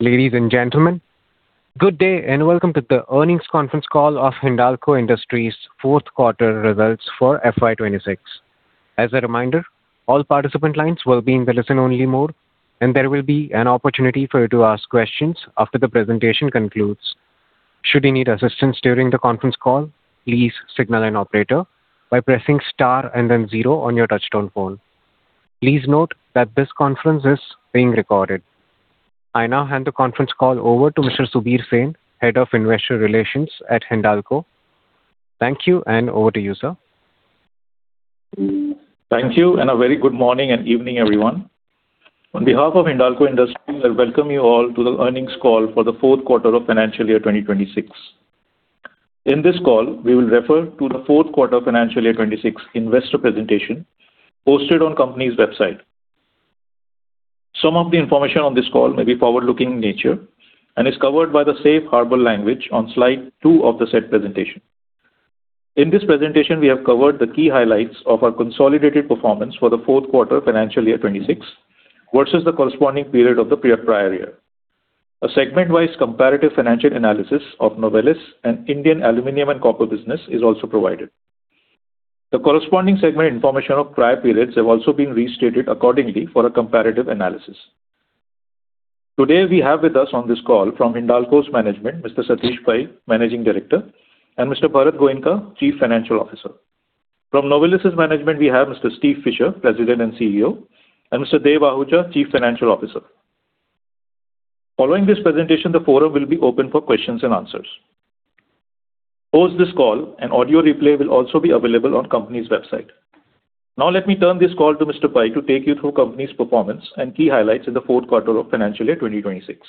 Ladies and gentlemen, good day and welcome to the earnings conference call of Hindalco Industries fourth quarter results for FY 2026. As a reminder, all participant lines will be in the listen-only mode, and there will be an opportunity for you to ask questions after the presentation concludes. Should you need assistance during the conference call, please signal an operator by pressing star and then zero on your touchtone phone. Please note that this conference is being recorded. I now hand the conference call over to Mr. Subir Sen, Head of Investor Relations at Hindalco. Thank you, and over to you, sir. Thank you, a very good morning and evening, everyone. On behalf of Hindalco Industries, I welcome you all to the earnings call for the fourth quarter of financial year 2026. In this call, we will refer to the fourth quarter financial year 2026 investor presentation posted on company's website. Some of the information on this call may be forward-looking in nature and is covered by the safe harbor language on slide two of the said presentation. In this presentation, we have covered the key highlights of our consolidated performance for the fourth quarter financial year 2026 versus the corresponding period of the prior year. A segment-wise comparative financial analysis of Novelis and Indian Aluminum and Copper business is also provided. The corresponding segment information of prior periods have also been restated accordingly for a comparative analysis. Today we have with us on this call from Hindalco's management, Mr. Satish Pai, Managing Director, and Mr. Bharat Goenka, Chief Financial Officer. From Novelis's management, we have Mr. Steve Fisher, President and CEO, and Mr. Dev Ahuja, Chief Financial Officer. Following this presentation, the forum will be open for questions and answers. Post this call, an audio replay will also be available on company's website. Now let me turn this call to Mr. Pai to take you through company's performance and key highlights in the fourth quarter of financial year 2026.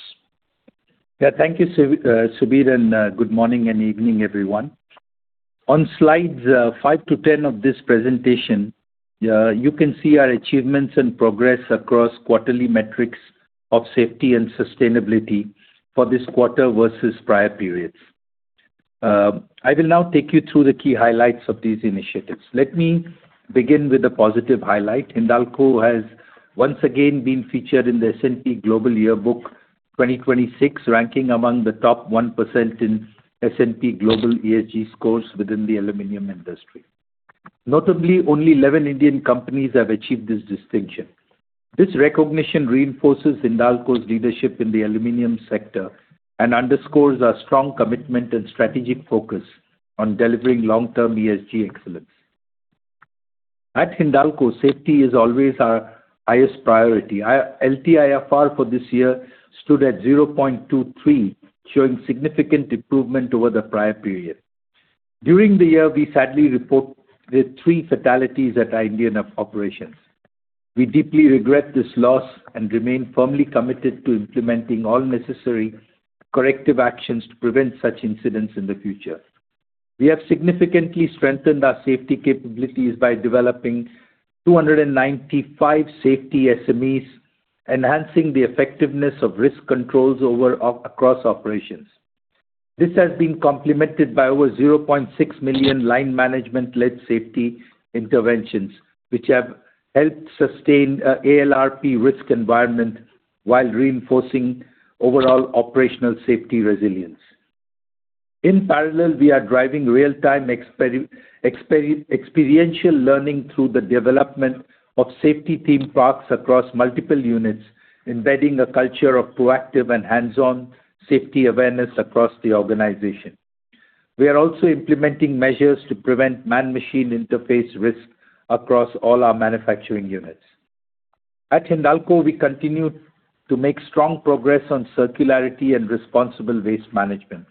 Yeah. Thank you, Subir, and good morning and evening, everyone. On slides 5-10 of this presentation, you can see our achievements and progress across quarterly metrics of safety and sustainability for this quarter versus prior periods. I will now take you through the key highlights of these initiatives. Let me begin with a positive highlight. Hindalco has once again been featured in the S&P Global Yearbook 2026, ranking among the top 1% in S&P Global ESG Scores within the aluminum industry. Notably, only 11 Indian companies have achieved this distinction. This recognition reinforces Hindalco's leadership in the aluminum sector and underscores our strong commitment and strategic focus on delivering long-term ESG excellence. At Hindalco, safety is always our highest priority. Our LTIFR for this year stood at 0.23, showing significant improvement over the prior period. During the year, we sadly report the three fatalities at our Indian operations. We deeply regret this loss and remain firmly committed to implementing all necessary corrective actions to prevent such incidents in the future. We have significantly strengthened our safety capabilities by developing 295 safety SMEs, enhancing the effectiveness of risk controls across operations. This has been complemented by over 0.6 million line management-led safety interventions, which have helped sustain ALARP risk environment while reinforcing overall operational safety resilience. In parallel, we are driving real-time experiential learning through the development of safety theme parks across multiple units, embedding a culture of proactive and hands-on safety awareness across the organization. We are also implementing measures to prevent man-machine interface risk across all our manufacturing units. At Hindalco, we continue to make strong progress on circularity and responsible waste management.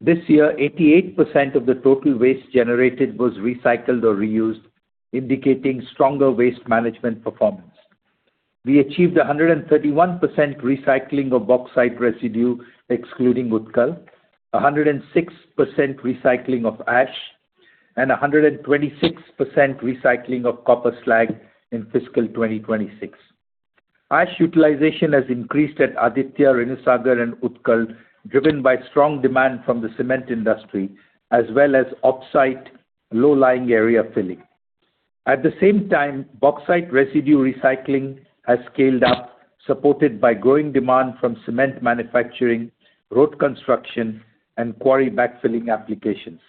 This year, 88% of the total waste generated was recycled or reused, indicating stronger waste management performance. We achieved 131% recycling of bauxite residue excluding Utkal, 106% recycling of ash, and 126% recycling of copper slag in fiscal 2026. Ash utilization has increased at Aditya Renusagar and Utkal, driven by strong demand from the cement industry as well as off-site low-lying area filling. At the same time, bauxite residue recycling has scaled up, supported by growing demand from cement manufacturing, road construction, and quarry backfilling applications.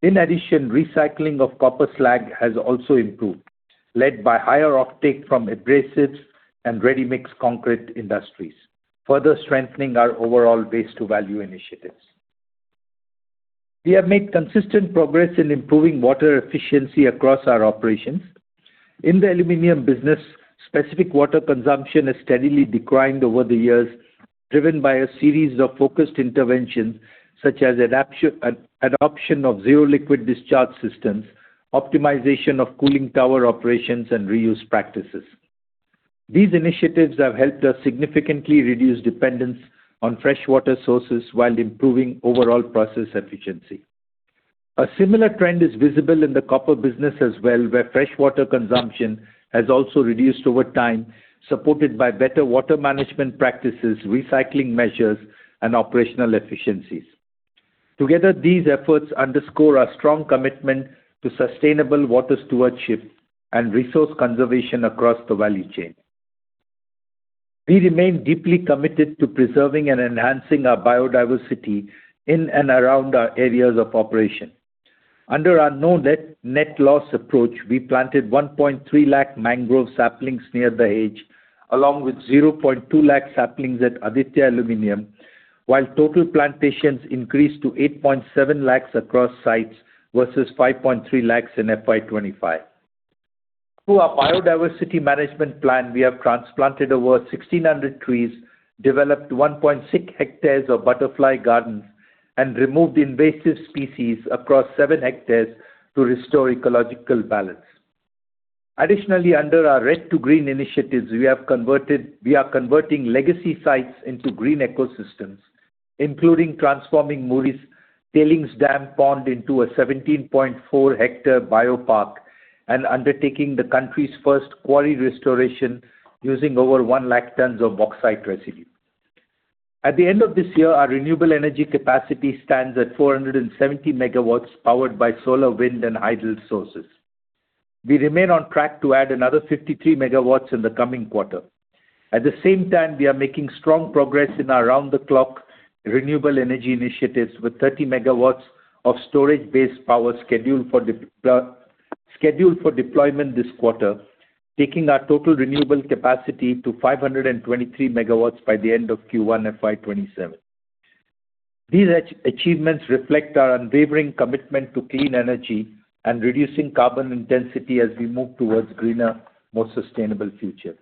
In addition, recycling of copper slag has also improved, led by higher offtake from abrasives and ready-mix concrete industries, further strengthening our overall waste to value initiatives. We have made consistent progress in improving water efficiency across our operations. In the aluminum business, specific water consumption has steadily declined over the years, driven by a series of focused interventions such as adoption of zero liquid discharge systems, optimization of cooling tower operations, and reuse practices. These initiatives have helped us significantly reduce dependence on freshwater sources while improving overall process efficiency. A similar trend is visible in the copper business as well, where freshwater consumption has also reduced over time, supported by better water management practices, recycling measures, and operational efficiencies. Together, these efforts underscore our strong commitment to sustainable water stewardship and resource conservation across the value chain. We remain deeply committed to preserving and enhancing our biodiversity in and around our areas of operation. Under our no net loss approach, we planted 1.3 lakh mangrove saplings near Dahej, along with 0.2 lakh saplings at Aditya Aluminium, while total plantations increased to 8.7 lakhs across sites versus 5.3 lakhs in FY 2025. Through our biodiversity management plan, we have transplanted over 1,600 trees, developed 1.6 hectares of butterfly gardens and removed invasive species across 7 hectares to restore ecological balance. Additionally, under our Red to Green initiatives, we are converting legacy sites into green ecosystems, including transforming Muri's tailings dam pond into a 17.4 hectare bio-park and undertaking the country's first quarry restoration using over 1 lakh tons of bauxite residue. At the end of this year, our renewable energy capacity stands at 470 MW, powered by solar, wind, and idle sources. We remain on track to add another 53 MW in the coming quarter. At the same time, we are making strong progress in our round-the-clock renewable energy initiatives with 30 MW of storage-based power scheduled for deployment this quarter, taking our total renewable capacity to 523 MW by the end of Q1 FY 2027. These achievements reflect our unwavering commitment to clean energy and reducing carbon intensity as we move towards greener, more sustainable future.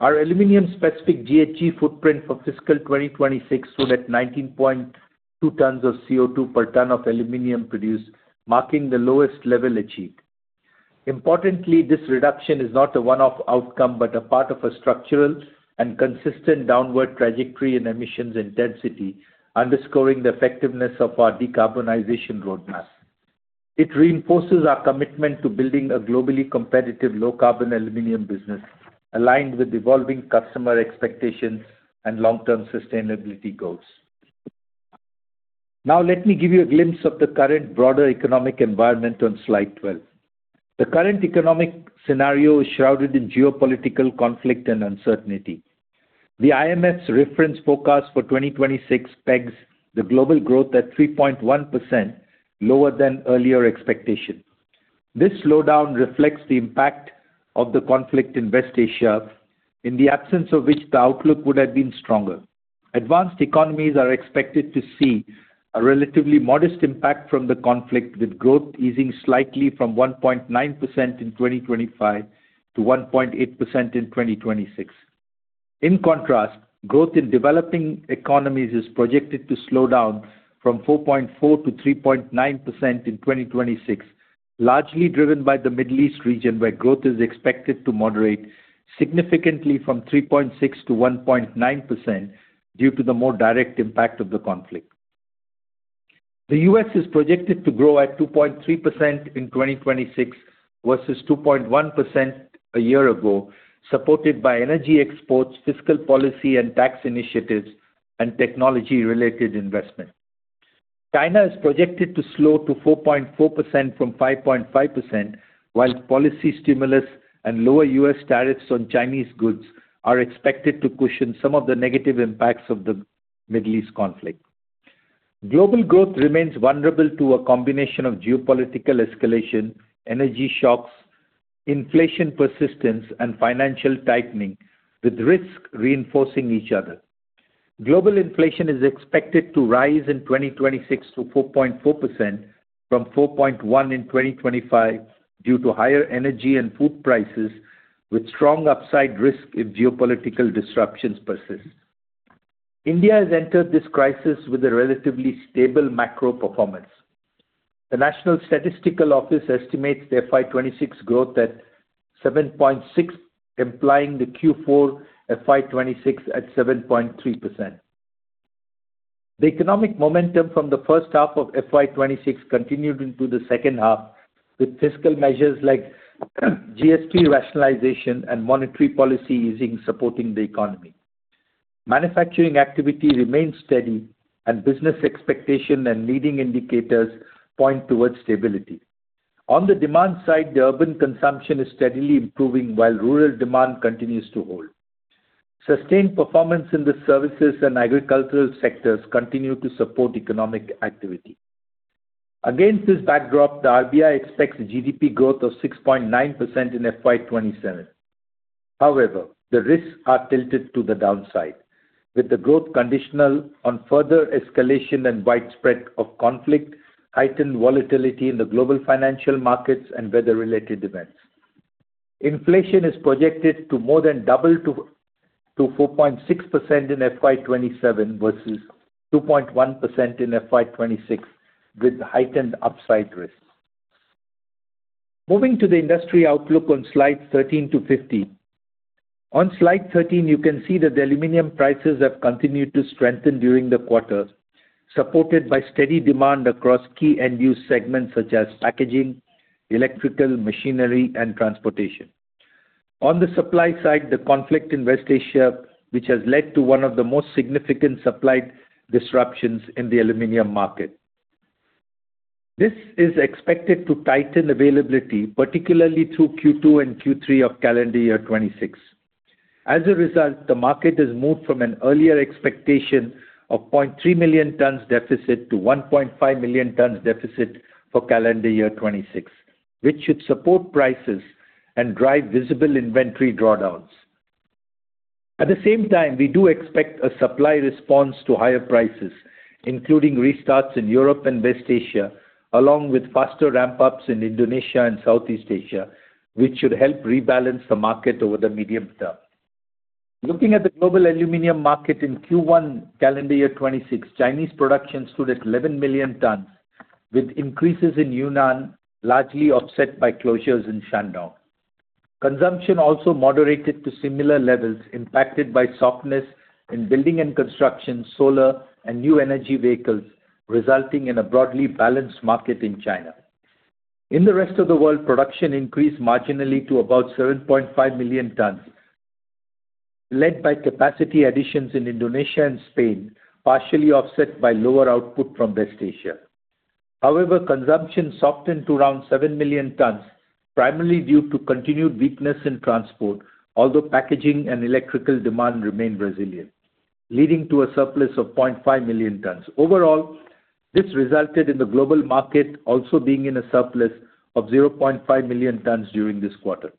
Our aluminum specific GHG footprint for FY 2026 stood at 19.2 tons of CO2 per ton of aluminum produced, marking the lowest level achieved. This reduction is not a one-off outcome, but a part of a structural and consistent downward trajectory in emissions intensity, underscoring the effectiveness of our decarbonization roadmap. It reinforces our commitment to building a globally competitive, low carbon aluminum business aligned with evolving customer expectations and long term sustainability goals. Now, let me give you a glimpse of the current broader economic environment on slide 12. The current economic scenario is shrouded in geopolitical conflict and uncertainty. The IMF's reference forecast for 2026 pegs the global growth at 3.1% lower than earlier expectations. This slowdown reflects the impact of the conflict in West Asia, in the absence of which the outlook would have been stronger. Advanced economies are expected to see a relatively modest impact from the conflict, with growth easing slightly from 1.9% in 2025 to 1.8% in 2026. In contrast, growth in developing economies is projected to slow down from 4.4% to 3.9% in 2026, largely driven by the Middle East region, where growth is expected to moderate significantly from 3.6% to 1.9% due to the more direct impact of the conflict. The U.S. is projected to grow at 2.3% in 2026 versus 2.1% a year ago, supported by energy exports, fiscal policy and tax initiatives and technology related investment. China is projected to slow to 4.4% from 5.5%, while policy stimulus and lower U.S. tariffs on Chinese goods are expected to cushion some of the negative impacts of the Middle East conflict. Global growth remains vulnerable to a combination of geopolitical escalation, energy shocks, inflation persistence, and financial tightening with risk reinforcing each other. Global inflation is expected to rise in 2026 to 4.4% from 4.1% in 2025 due to higher energy and food prices with strong upside risk if geopolitical disruptions persist. India has entered this crisis with a relatively stable macro performance. The National Statistical Office estimates the FY 2026 growth at 7.6%, implying the Q4 FY 2026 at 7.3%. The economic momentum from the first half of FY 2026 continued into the second half, with fiscal measures like GST rationalization and monetary policy easing supporting the economy. Manufacturing activity remains steady and business expectation and leading indicators point towards stability. On the demand side, the urban consumption is steadily improving while rural demand continues to hold. Sustained performance in the services and agricultural sectors continue to support economic activity. Against this backdrop, the RBI expects GDP growth of 6.9% in FY 2027. However, the risks are tilted to the downside, with the growth conditional on further escalation and widespread of conflict, heightened volatility in the global financial markets and weather related events. Inflation is projected to more than double to 4.6% in FY 2027 versus 2.1% in FY 2026, with heightened upside risks. Moving to the industry outlook on slides 13-15. On slide 13, you can see that the aluminum prices have continued to strengthen during the quarter, supported by steady demand across key end use segments such as packaging, electrical, machinery and transportation. On the supply side, the conflict in West Asia, which has led to one of the most significant supply disruptions in the aluminum market. This is expected to tighten availability, particularly through Q2 and Q3 of calendar year 2026. As a result, the market has moved from an earlier expectation of 0.3 million tons deficit to 1.5 million tons deficit for calendar year 2026, which should support prices and drive visible inventory drawdowns. At the same time, we do expect a supply response to higher prices, including restarts in Europe and West Asia, along with faster ramp-ups in Indonesia and Southeast Asia, which should help rebalance the market over the medium term. Looking at the global aluminum market in Q1 calendar year 2026, Chinese production stood at 11 million tons, with increases in Yunnan largely offset by closures in Shandong. Consumption also moderated to similar levels, impacted by softness in building and construction, solar and new energy vehicles, resulting in a broadly balanced market in China. In the rest of the world, production increased marginally to about 7.5 million tons, led by capacity additions in Indonesia and Spain, partially offset by lower output from West Asia. However, consumption softened to around seven million tons, primarily due to continued weakness in transport, although packaging and electrical demand remained resilient, leading to a surplus of 0.5 million tons. Overall, this resulted in the global market also being in a surplus of 0.5 million tons during this quarter.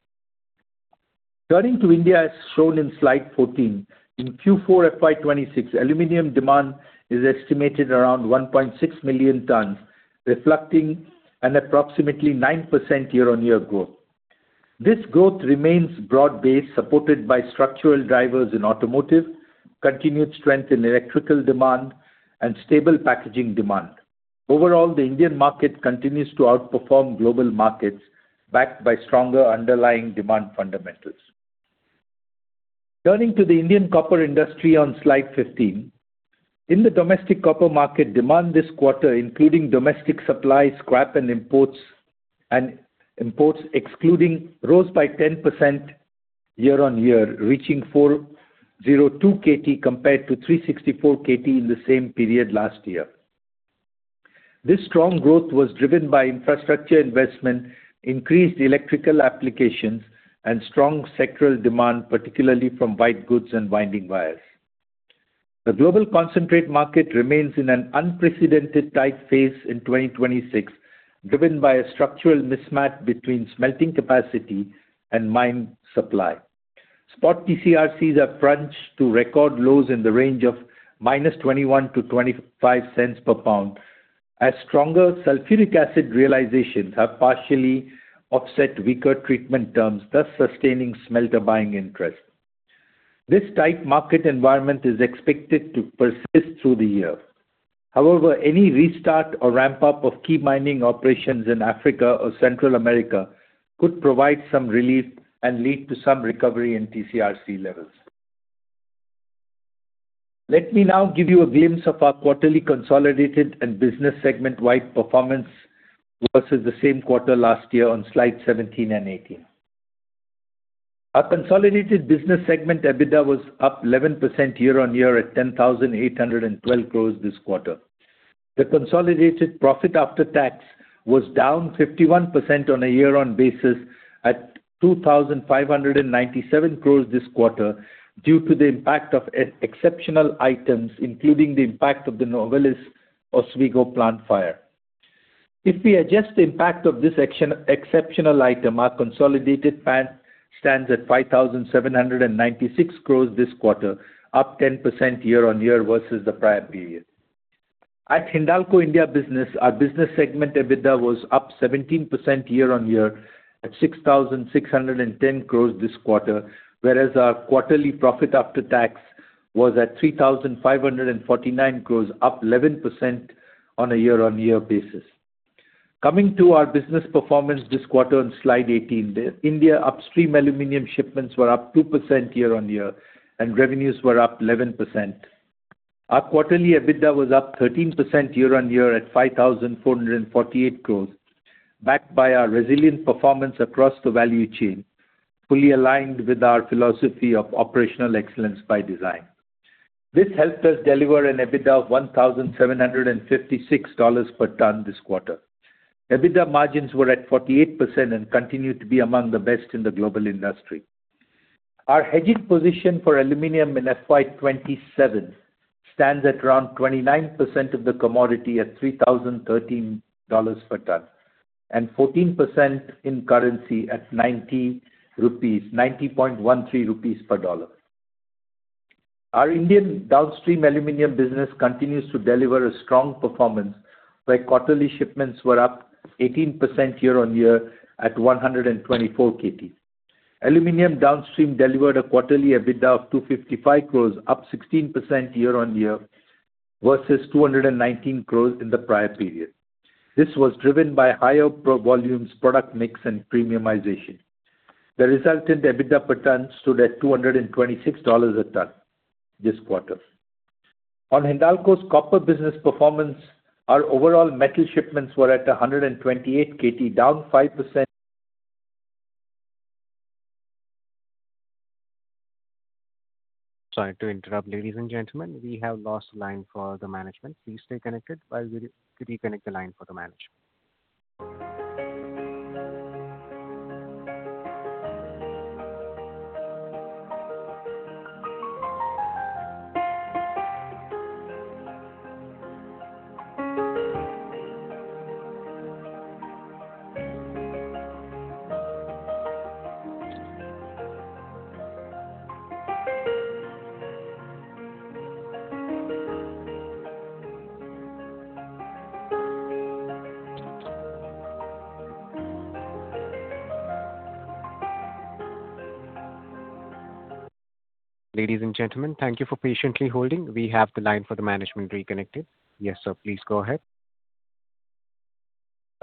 Turning to India, as shown in slide 14. In Q4 FY 2026, aluminum demand is estimated around 1.6 million tons, reflecting an approximately 9% year-on-year growth. This growth remains broad-based, supported by structural drivers in automotive, continued strength in electrical demand, and stable packaging demand. Overall, the Indian market continues to outperform global markets, backed by stronger underlying demand fundamentals. Turning to the Indian copper industry on Slide 15. In the domestic copper market, demand this quarter, including domestic supply, scrap, and imports excluding rose by 10% year-on-year, reaching 402 KT compared to 364 KT in the same period last year. This strong growth was driven by infrastructure investment, increased electrical applications, and strong sectoral demand, particularly from white goods and winding wires. The global concentrate market remains in an unprecedented tight phase in 2026, driven by a structural mismatch between smelting capacity and mine supply. Spot TC/RCs are crunched to record lows in the range of -$0.21-$0.25 per pound, as stronger sulfuric acid realizations have partially offset weaker treatment terms, thus sustaining smelter buying interest. This tight market environment is expected to persist through the year. However, any restart or ramp-up of key mining operations in Africa or Central America could provide some relief and lead to some recovery in TC/RC levels. Let me now give you a glimpse of our quarterly consolidated and business segment wide performance versus the same quarter last year on slide 17 and 18. Our consolidated business segment, EBITDA, was up 11% year-on-year at 10,812 crores this quarter. The consolidated profit after tax was down 51% on a year-on-year basis at 2,597 crores this quarter due to the impact of exceptional items, including the impact of the Novelis Oswego plant fire. If we adjust the impact of this exceptional item, our consolidated PAT stands at 5,796 crores this quarter, up 10% year-on-year versus the prior period. At Hindalco India Business, our business segment EBITDA was up 17% year-on-year at 6,610 crores this quarter, whereas our quarterly profit after tax was at 3,549 crores, up 11% on a year-on-year basis. Coming to our business performance this quarter on slide 18. The India upstream aluminum shipments were up 2% year-on-year, and revenues were up 11%. Our quarterly EBITDA was up 13% year-on-year at 5,448 crores, backed by our resilient performance across the value chain, fully aligned with our philosophy of operational excellence by design. This helped us deliver an EBITDA of $1,756 per ton this quarter. EBITDA margins were at 48% and continue to be among the best in the global industry. Our hedged position for aluminum in FY 2027 stands at around 29% of the commodity at $3,013 per ton and 14% in currency at 90.13 rupees per dollar. Our Indian downstream aluminum business continues to deliver a strong performance where quarterly shipments were up 18% year-on-year at 124 KT. Aluminum downstream delivered a quarterly EBITDA of 255 crores, up 16% year-on-year versus 219 crores in the prior period. This was driven by higher volumes, product mix, and premiumization. The resultant EBITDA per ton stood at $226 a ton this quarter. On Hindalco's copper business performance, our overall metal shipments were at 128 KT, down 5% Sorry to interrupt, ladies and gentlemen. We have lost line for the management. Please stay connected while we reconnect the line for the management. Ladies and gentlemen, thank you for patiently holding. We have the line for the management reconnected. Yes, sir. Please go ahead.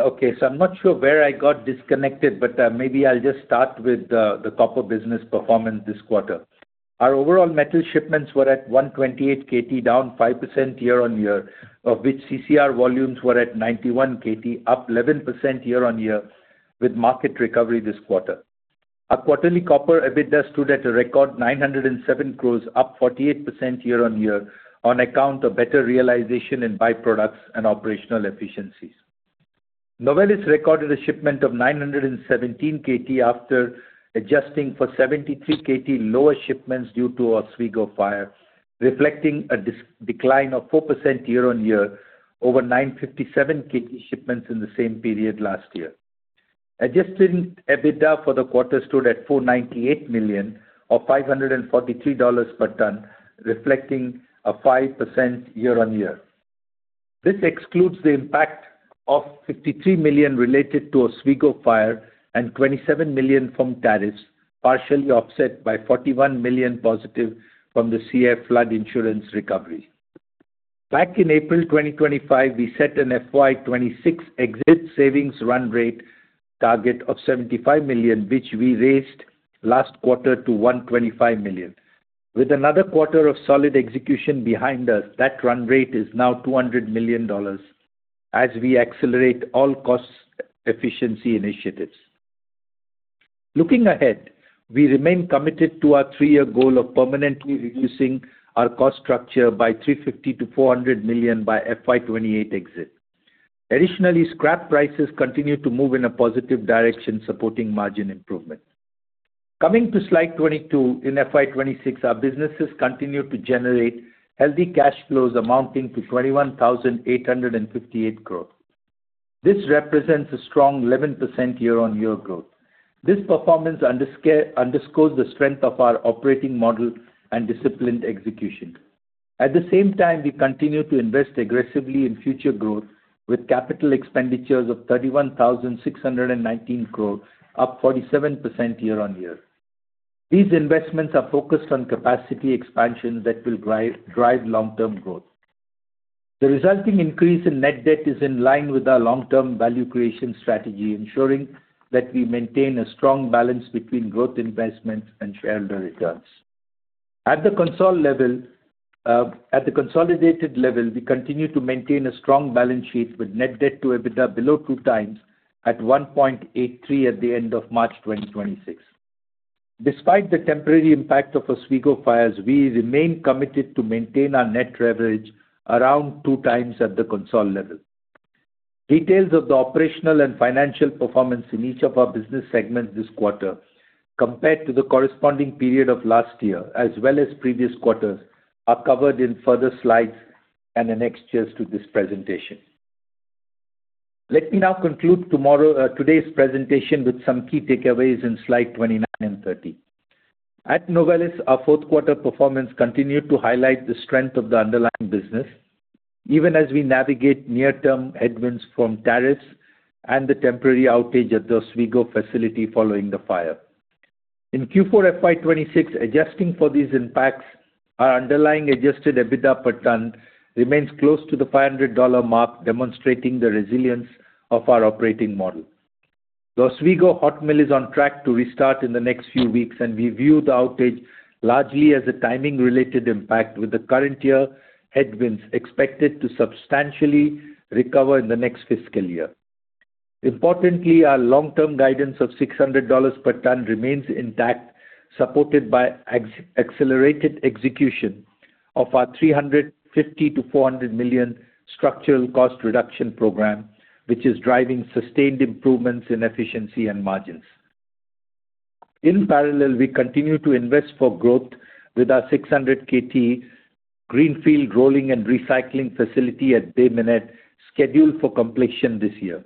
Okay. I'm not sure where I got disconnected, but maybe I'll just start with the copper business performance this quarter. Our overall metal shipments were at 128 KT, down 5% year-on-year, of which CCR volumes were at 91 KT, up 11% year-on-year with market recovery this quarter. Our quarterly copper EBITDA stood at a record 907 crores, up 48% year-on-year on account of better realization in byproducts and operational efficiencies. Novelis recorded a shipment of 917 KT after adjusting for 73 KT lower shipments due to Oswego Fire, reflecting a decline of 4% year-on-year over 957 KT shipments in the same period last year. Adjusted EBITDA for the quarter stood at $498 million or $543 per ton, reflecting a 5% year-on-year. This excludes the impact of $53 million related to Oswego Fire and $27 million from tariffs, partially offset by +$41 million from the Sierre flood insurance recovery. Back in April 2025, we set an FY 2026 exit savings run rate target of $75 million, which we raised last quarter to $125 million. With another quarter of solid execution behind us, that run rate is now $200 million as we accelerate all cost efficiency initiatives. Looking ahead, we remain committed to our three-year goal of permanently reducing our cost structure by $350 million-$400 million by FY 2028 exit. Scrap prices continue to move in a positive direction, supporting margin improvement. Coming to slide 22, in FY 2026, our businesses continued to generate healthy cash flows amounting to 21,858 crore. This represents a strong 11% year-on-year growth. This performance underscores the strength of our operating model and disciplined execution. At the same time, we continue to invest aggressively in future growth with capital expenditures of 31,619 crore, up 47% year-on-year. These investments are focused on capacity expansion that will drive long-term growth. The resulting increase in net debt is in line with our long-term value creation strategy, ensuring that we maintain a strong balance between growth investments and shareholder returns. At the consolidated level, we continue to maintain a strong balance sheet with net debt to EBITDA below 2x at 1.83 at the end of March 2026. Despite the temporary impact of Oswego Fires, we remain committed to maintain our net leverage around 2x at the consolidated level. Details of the operational and financial performance in each of our business segments this quarter compared to the corresponding period of last year as well as previous quarters are covered in further slides and annexures to this presentation. Let me now conclude today's presentation with some key takeaways in slide 29 and 30. At Novelis, our fourth quarter performance continued to highlight the strength of the underlying business, even as we navigate near-term headwinds from tariffs and the temporary outage at the Oswego facility following the fire. In Q4 FY 2026, adjusting for these impacts, our underlying adjusted EBITDA per ton remains close to the $500 mark, demonstrating the resilience of our operating model. The Oswego Hot Mill is on track to restart in the next few weeks, and we view the outage largely as a timing-related impact, with the current year headwinds expected to substantially recover in the next fiscal year. Importantly, our long-term guidance of $600 per ton remains intact, supported by accelerated execution of our $350 million-$400 million structural cost reduction program, which is driving sustained improvements in efficiency and margins. In parallel, we continue to invest for growth with our 600 KT greenfield rolling and recycling facility at Bay Minette scheduled for completion this year.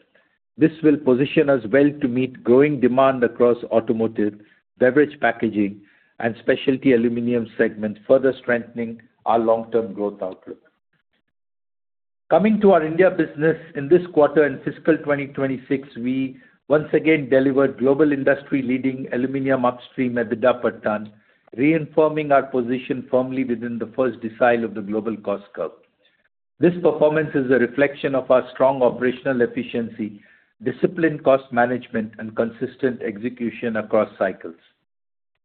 This will position us well to meet growing demand across automotive, beverage packaging, and specialty aluminum segments, further strengthening our long-term growth outlook. Coming to our India business, in this quarter and FY 2026, we once again delivered global industry-leading aluminum upstream EBITDA per ton, reaffirming our position firmly within the first decile of the global cost curve. This performance is a reflection of our strong operational efficiency, disciplined cost management, and consistent execution across cycles.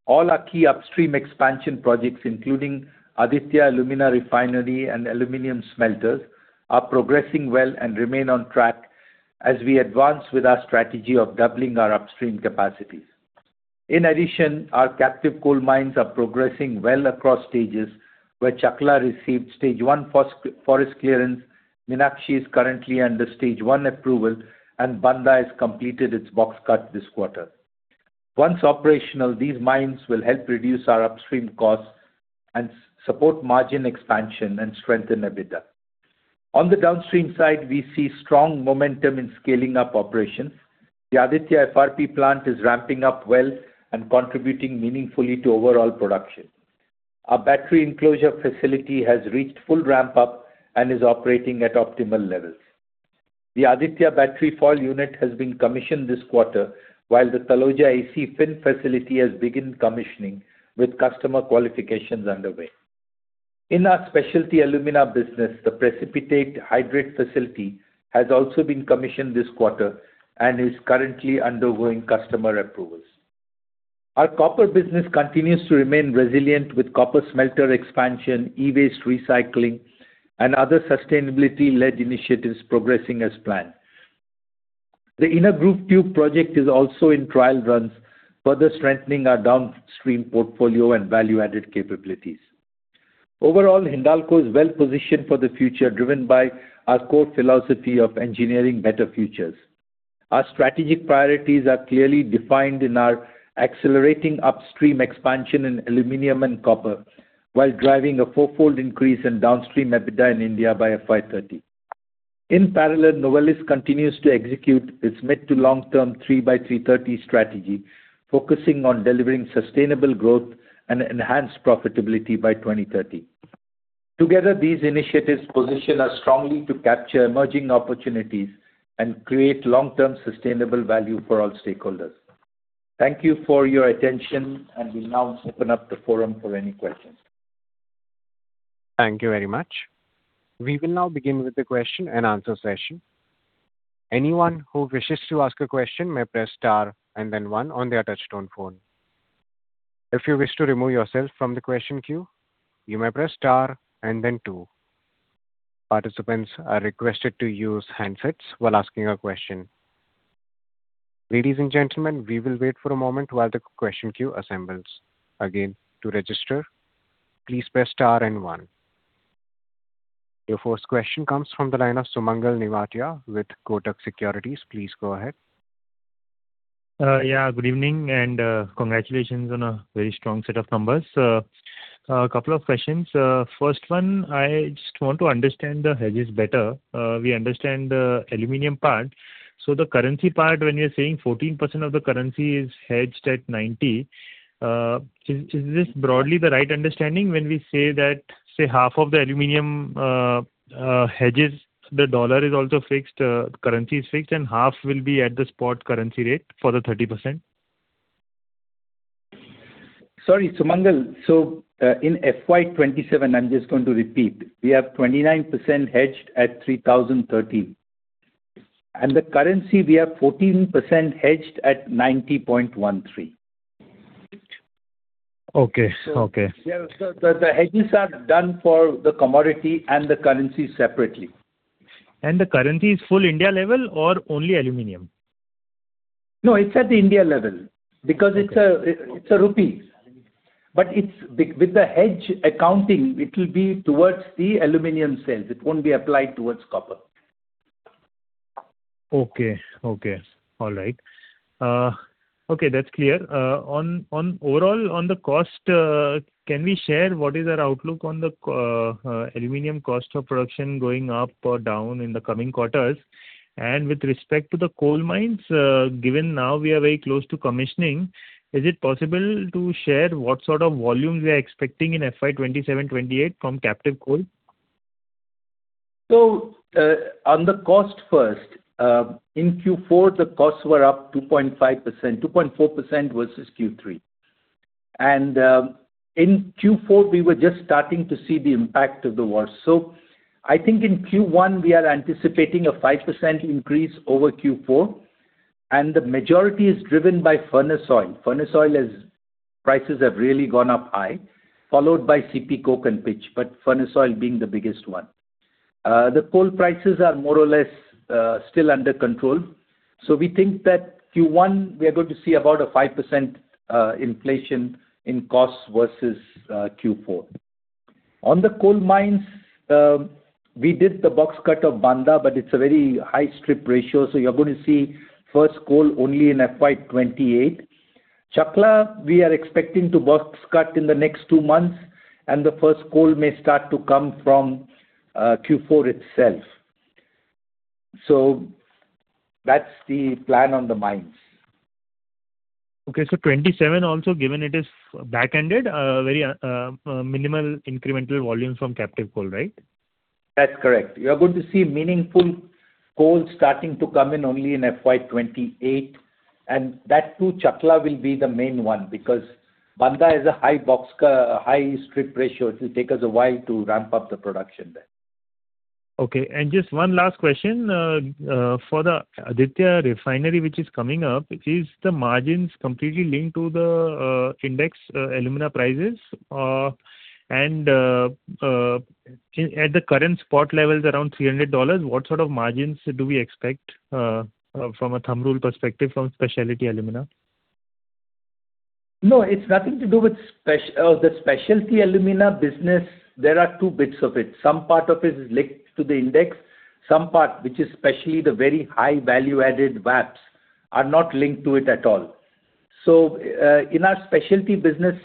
All our key upstream expansion projects, including Aditya Alumina Refinery and Aluminum Smelters, are progressing well and remain on track as we advance with our strategy of doubling our upstream capacities. In addition, our captive coal mines are progressing well across stages, where Chakla received stage 1 forest clearance, Meenakshi is currently under stage 1 approval, and Bandha has completed its box cut this quarter. Once operational, these mines will help reduce our upstream costs and support margin expansion and strengthen EBITDA. On the downstream side, we see strong momentum in scaling up operations. The Aditya FRP plant is ramping up well and contributing meaningfully to overall production. Our battery enclosure facility has reached full ramp-up and is operating at optimal levels. The Aditya battery foil unit has been commissioned this quarter, while the Taloja AC fin facility has begun commissioning, with customer qualifications underway. In our specialty alumina business, the precipitate hydrate facility has also been commissioned this quarter and is currently undergoing customer approvals. Our copper business continues to remain resilient with copper smelter expansion, e-waste recycling, and other sustainability led initiatives progressing as planned. The inner grooved tube project is also in trial runs, further strengthening our downstream portfolio and value-added capabilities. Overall, Hindalco is well positioned for the future, driven by our core philosophy of engineering better futures. Our strategic priorities are clearly defined in our accelerating upstream expansion in aluminum and copper while driving a fourfold increase in downstream EBITDA in India by FY 2030. In parallel, Novelis continues to execute its mid to long term 3/30 Strategy, focusing on delivering sustainable growth and enhanced profitability by 2030. Together, these initiatives position us strongly to capture emerging opportunities and create long term sustainable value for all stakeholders. Thank you for your attention, and we'll now open up the forum for any questions. Thank you very much. We will now begin with the question and answer session. Your first question comes from the line of Sumangal Nevatia with Kotak Securities. Please go ahead. Yeah. Good evening and congratulations on a very strong set of numbers. A couple of questions. First one, I just want to understand the hedges better. We understand the aluminum part. The currency part, when you're saying 14% of the currency is hedged at 90, is this broadly the right understanding when we say that half of the aluminum hedges, the dollar is also fixed, currency is fixed, and half will be at the spot currency rate for the 30%? Sorry, Sumangal. In FY 2027, I'm just going to repeat. We have 29% hedged at 3,013. The currency, we have 14% hedged at 90.13. Okay. Yeah. The hedges are done for the commodity and the currency separately. The currency is full India level or only aluminum? No, it's at the India level because it's a rupee. With the hedge accounting, it will be towards the aluminum sales. It won't be applied towards copper. Okay. All right. Okay, that's clear. On the cost, can we share what is our outlook on the aluminum cost of production going up or down in the coming quarters? With respect to the coal mines, given now we are very close to commissioning, is it possible to share what sort of volume we are expecting in FY 2027-FY 2028 from captive coal? On the cost first. In Q4, the costs were up 2.4% versus Q3. In Q4, we were just starting to see the impact of the war. I think in Q1, we are anticipating a 5% increase over Q4, and the majority is driven by furnace oil. Furnace oil prices have really gone up high, followed by CPC and pitch, but furnace oil being the biggest one. The coal prices are more or less still under control. We think that Q1, we are going to see about a 5% inflation in costs versus Q4. On the coal mines, we did the box cut of Bandha, but it's a very high strip ratio, so you're going to see first coal only in FY 2028. Chakla, we are expecting to box cut in the next two months, and the first coal may start to come from Q4 itself. That's the plan on the mines. Okay. 2027 also given it is backended, very minimal incremental volume from captive coal, right? That's correct. You are going to see meaningful coal starting to come in only in FY 2028. That too, Chakla will be the main one because Bandha has a high strip ratio. It will take us a while to ramp up the production there. Okay. Just one last question. For the Aditya Refinery which is coming up, is the margins completely linked to the index alumina prices? At the current spot levels, around $300, what sort of margins do we expect from a thumb rule perspective from specialty alumina? No, it's nothing to do with the specialty alumina business, there are two bits of it. Some part of it is linked to the index, some part, which is especially the very high value-added VAPs, are not linked to it at all. In our specialty business,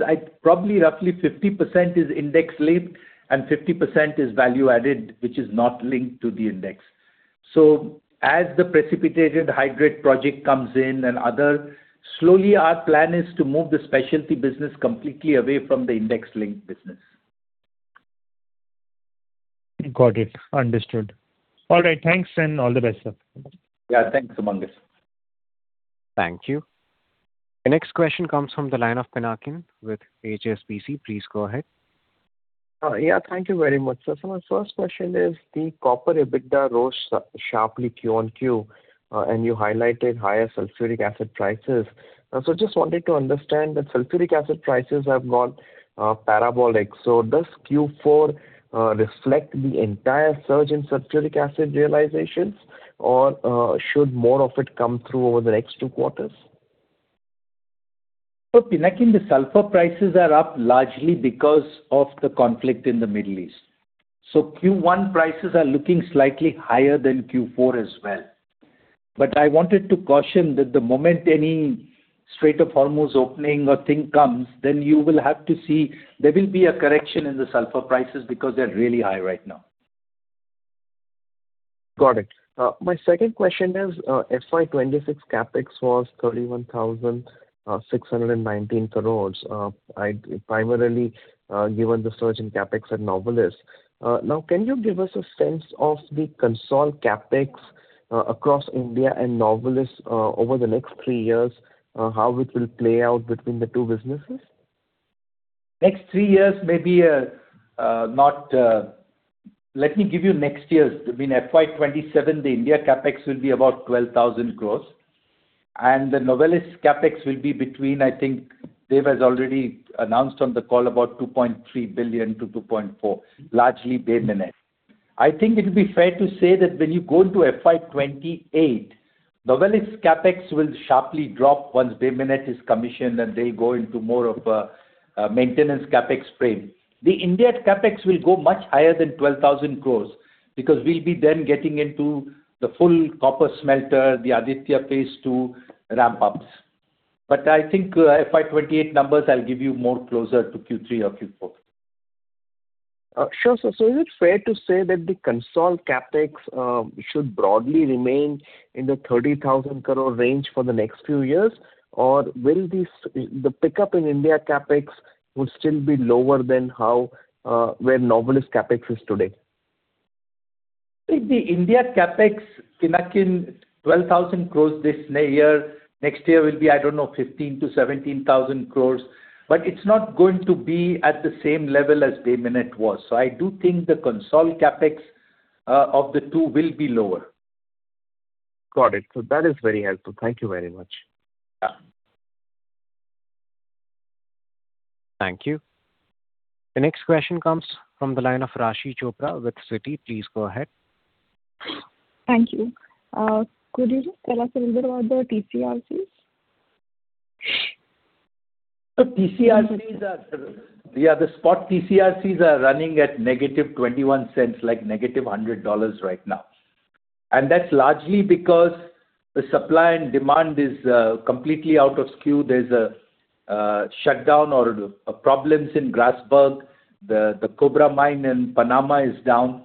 probably roughly 50% is index-linked and 50% is value-added, which is not linked to the index. As the precipitated hydrate project comes in, slowly our plan is to move the specialty business completely away from the index-linked business. Got it. Understood. All right, thanks and all the best, sir. Yeah, thanks, Sumangal. Thank you. The next question comes from the line of Pinakin with HSBC. Please go ahead. Yeah, thank you very much, sir. My first question is the copper EBITDA rose sharply Q-on-Q, and you highlighted higher sulfuric acid prices. Just wanted to understand that sulfuric acid prices have gone parabolic. Does Q4 reflect the entire surge in sulfuric acid realizations or should more of it come through over the next two quarters? Pinakin, the sulfur prices are up largely because of the conflict in the Middle East. Q1 prices are looking slightly higher than Q4 as well. I wanted to caution that the moment any Strait of Hormuz opening or thing comes, then you will have to see there will be a correction in the sulfur prices because they're really high right now. Got it. My second question is, FY 2026 CapEx was 31,619 crores, primarily given the surge in CapEx at Novelis. Can you give us a sense of the consolidated CapEx across India and Novelis over the next three years, how it will play out between the two businesses? Next three years, maybe not. Let me give you next year's. In FY 2027, the India CapEx will be about 12,000 crores and the Novelis CapEx will be between, I think Dev has already announced on the call, about $2.3 billion-$2.4 billion, largely Bay Minette. I think it'll be fair to say that when you go into FY 2028, Novelis CapEx will sharply drop once Bay Minette is commissioned and they go into more of a maintenance CapEx frame. The India CapEx will go much higher than 12,000 crores because we'll be then getting into the full copper smelter, the Aditya Phase II ramp-ups. I think FY 2028 numbers, I'll give you more closer to Q3 or Q4. Sure, sir. Is it fair to say that the consolidated CapEx should broadly remain in the 30,000 crore range for the next few years? Will the pickup in India CapEx would still be lower than where Novelis CapEx is today? I think the India CapEx, Pinakin, 12,000 crores this year. Next year will be, I don't know, 15,000 crores- 17,000 crores, it's not going to be at the same level as Bay Minette was. I do think the consolidated CapEx of the two will be lower. Got it. That is very helpful. Thank you very much. Yeah. Thank you. The next question comes from the line of Raashi Chopra with Citi. Please go ahead. Thank you. Could you just tell us a little about the TC/RCs? Yeah, the spot TC/RCs are running at -$0.21, like -$100 right now. That's largely because the supply and demand is completely out of skew. There's a shutdown or problems in Grasberg. The Cobre mine in Panama is down.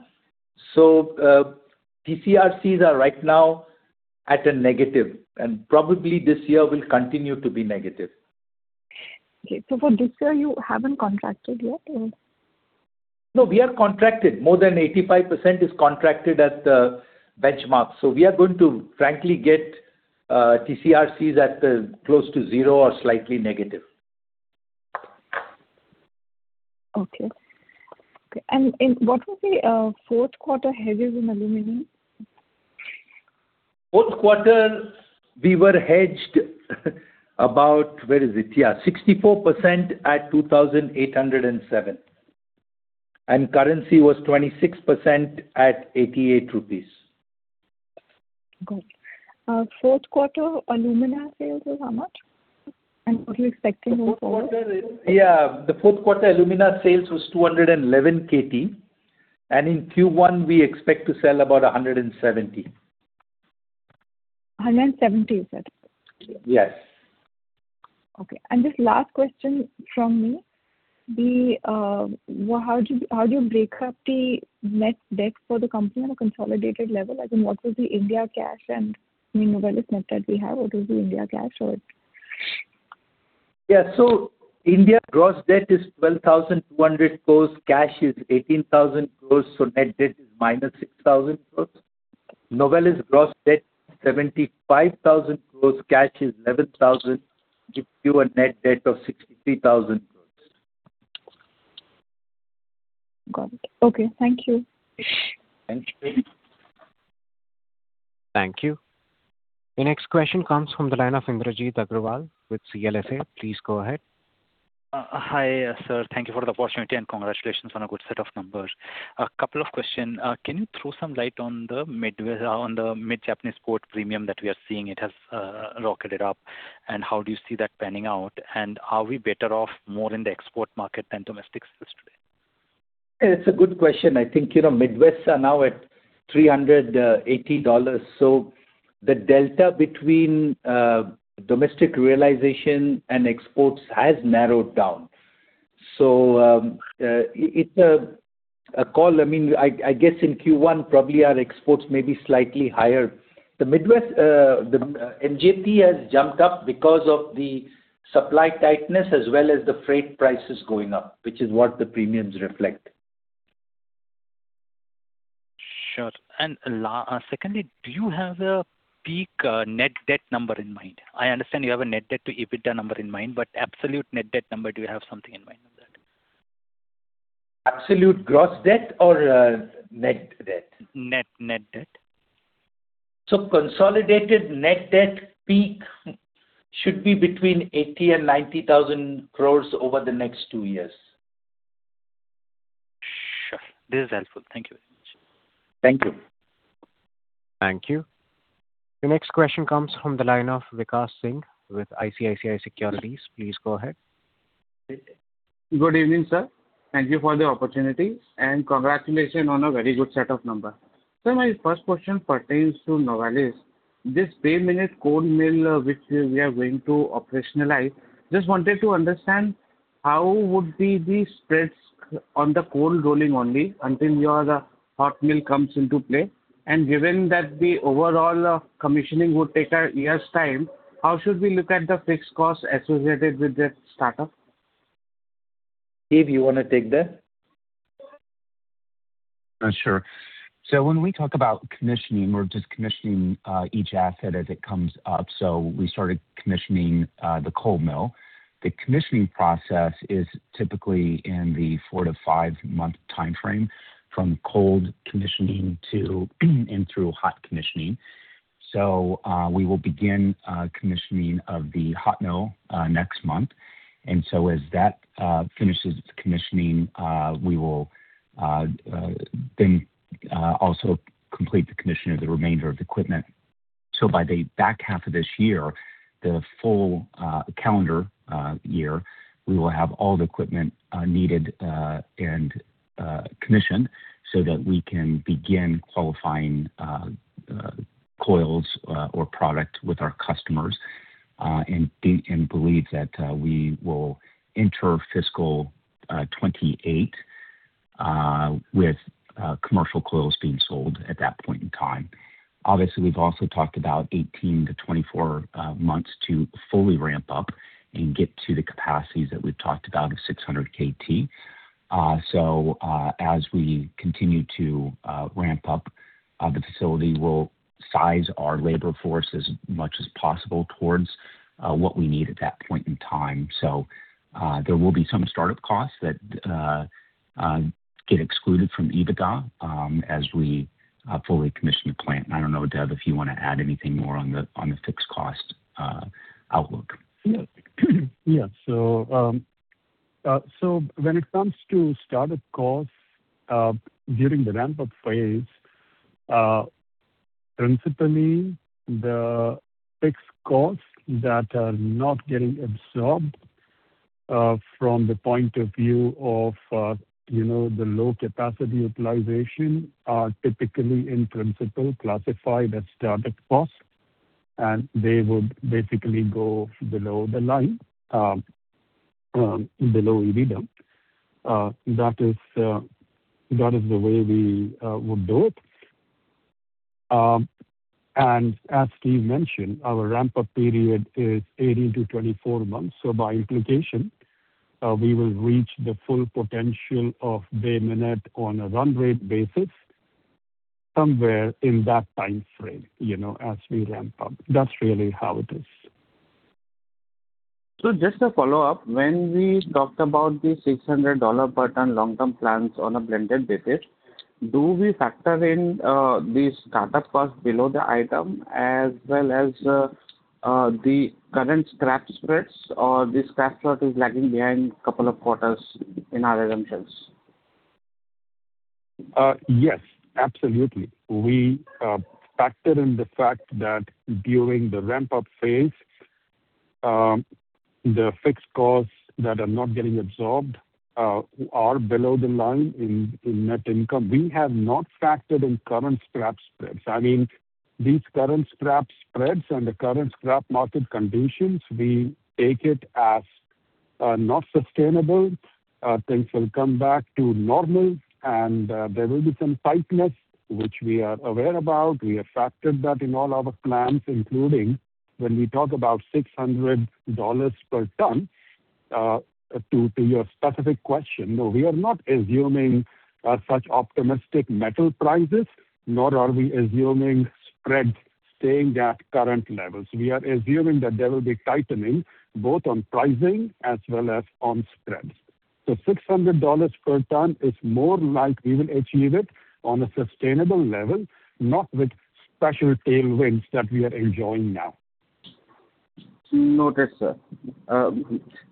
TC/RCs are right now at a negative and probably this year will continue to be negative. Okay. For this year you haven't contracted yet or? No, we are contracted. More than 85% is contracted at the benchmark. We are going to frankly get TC/RCs at close to zero or slightly negative. Okay. What was the fourth quarter hedges in aluminum? Fourth quarter we were hedged about, where is it? Yeah, 64% at 2,807. Currency was 26% at 88 rupees. Got it. Fourth quarter alumina sales were how much? What are you expecting going forward? Yeah. The fourth quarter alumina sales was 211 KT and in Q1 we expect to sell about 170 KT. 170 you said? Yes. Okay. Just last question from me. How do you break up the net debt for the company on a consolidated level? What was the India cash and Novelis net that we have? India gross debt is 12,200 crores. Cash is 18,000 crores. Net debt is -6,000 crores. Novelis gross debt 75,000 crores, cash is 11,000, gives you a net debt of 63,000 crores. Got it. Okay. Thank you. Thank you. Thank you. The next question comes from the line of Indrajit Agarwal with CLSA. Please go ahead. Hi, sir. Thank you for the opportunity and congratulations on a good set of numbers. A couple of question. Can you throw some light on the Midwest Premium that we are seeing? It has rocketed up. How do you see that panning out? Are we better off more in the export market than domestic this trade? It's a good question. I think Midwest are now at $380. The delta between domestic realization and exports has narrowed down. It's a call. I guess in Q1, probably our exports may be slightly higher. The MJP has jumped up because of the supply tightness as well as the freight prices going up, which is what the premiums reflect. Sure. Secondly, do you have a peak net debt number in mind? I understand you have a net debt to EBITDA number in mind, absolute net debt number, do you have something in mind on that? Absolute gross debt or net debt? Net debt. Consolidated net debt peak should be between 80 crores and 90,000 crores over the next two years. Sure. This is helpful. Thank you very much. Thank you. Thank you. The next question comes from the line of Vikash Singh with ICICI Securities. Please go ahead. Good evening, sir. Thank you for the opportunity and congratulations on a very good set of number. Sir, my first question pertains to Novelis. This Bay Minette cold mill, which we are going to operationalize. Just wanted to understand how would be the spreads on the cold rolling only until your hot mill comes into play. Given that the overall commissioning would take a year's time, how should we look at the fixed costs associated with that startup? Steve, you want to take that? Sure. When we talk about commissioning, we're just commissioning each asset as it comes up. The commissioning process is typically in the 4-5 month timeframe, from cold commissioning and through hot commissioning. We will begin commissioning of the hot mill next month. As that finishes its commissioning, we will then also complete the commissioning of the remainder of the equipment. By the back half of this year, the full calendar year, we will have all the equipment needed and commissioned so that we can begin qualifying coils or product with our customers. Believe that we will enter FY 2028 with commercial coils being sold at that point in time. Obviously, we've also talked about 18-24 months to fully ramp up and get to the capacities that we've talked about of 600 KT. As we continue to ramp up the facility, we'll size our labor force as much as possible towards what we need at that point in time. There will be some startup costs that get excluded from EBITDA as we fully commission the plant. I don't know, Dev, if you want to add anything more on the fixed cost outlook. When it comes to startup costs during the ramp-up phase, principally the fixed costs that are not getting absorbed from the point of view of the low capacity utilization are typically in principle classified as startup costs, and they would basically go below the line, below EBITDA. That is the way we would do it. As Steve mentioned, our ramp-up period is 18-24 months. By implication, we will reach the full potential of Bay Minette on a run rate basis somewhere in that timeframe, as we ramp up. That's really how it is. Just a follow-up. When we talked about the $600 per ton long-term plans on a blended basis, do we factor in the startup cost below the item as well as the current scrap spreads, or the scrap spread is lagging behind couple of quarters in our assumptions? Yes, absolutely. We factor in the fact that during the ramp-up phase, the fixed costs that are not getting absorbed are below the line in net income. We have not factored in current scrap spreads. These current scrap spreads and the current scrap market conditions, we take it as are not sustainable. Things will come back to normal and there will be some tightness, which we are aware about. We have factored that in all our plans, including when we talk about $600 per ton. To your specific question, no, we are not assuming such optimistic metal prices, nor are we assuming spread staying at current levels. We are assuming that there will be tightening both on pricing as well as on spreads. $600 per ton is more like we will achieve it on a sustainable level, not with special tailwinds that we are enjoying now. Noted, sir.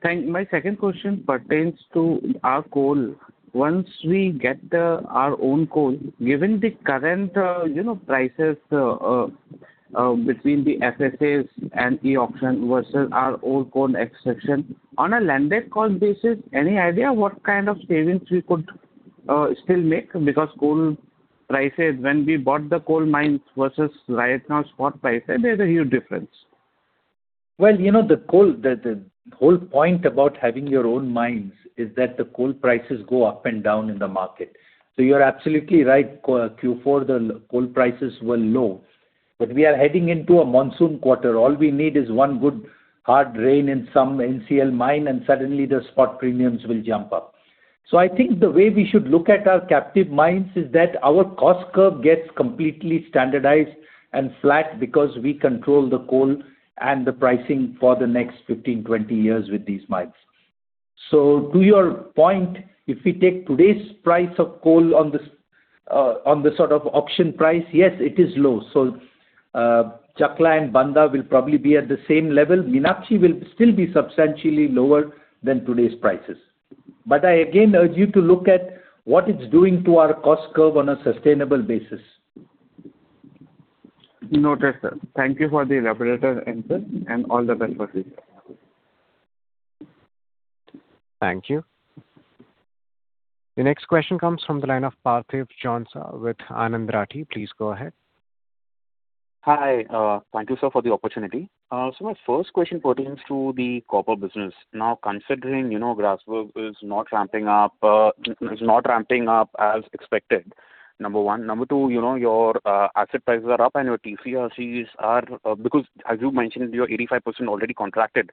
My second question pertains to our coal. Once we get our own coal, given the current prices between the SSAs and e-auction versus our own coal extraction, on a landed cost basis, any idea what kind of savings we could still make? Coal prices when we bought the coal mines versus right now spot prices, there's a huge difference. Well, the whole point about having your own mines is that the coal prices go up and down in the market. You're absolutely right, Q4, the coal prices were low. We are heading into a monsoon quarter. All we need is one good hard rain in some NCL mine, and suddenly the spot premiums will jump up. I think the way we should look at our captive mines is that our cost curve gets completely standardized and flat because we control the coal and the pricing for the next 15, 20 years with these mines. To your point, if we take today's price of coal on the sort of auction price, yes, it is low. Chakla and Bandha will probably be at the same level. Meenakshi will still be substantially lower than today's prices. I again urge you to look at what it's doing to our cost curve on a sustainable basis. Noted, sir. Thank you for the elaborated answer, and all the best for 2025. Thank you. The next question comes from the line of Parthiv Jhonsa with Anand Rathi. Please go ahead. Hi. Thank you, sir, for the opportunity. My first question pertains to the copper business. Considering Grasberg is not ramping up as expected, number one. Number two, your asset prices are up and your TC/RCs are because as you mentioned, you're 85% already contracted.